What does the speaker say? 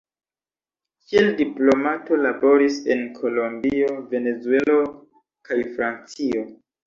Kiel diplomato, laboris en Kolombio, Venezuelo kaj Francio.